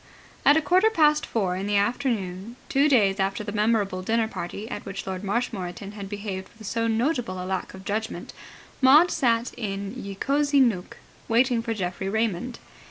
At a quarter past four in the afternoon, two days after the memorable dinner party at which Lord Marshmoreton had behaved with so notable a lack of judgment, Maud sat in Ye Cosy Nooke, waiting for Geoffrey Raymond.